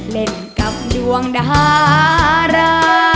เล่นกับดวงดารา